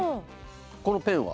このペンは？